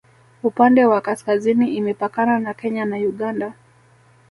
upande wa kaskazini imepakana na kenya na uganda